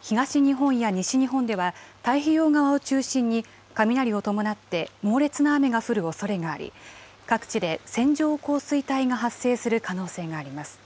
東日本や西日本では太平洋側を中心に雷を伴って猛烈な雨が降るおそれがあり各地で線状降水帯が発生する可能性があります。